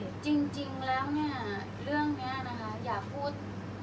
อันไหนที่มันไม่จริงแล้วอาจารย์อยากพูด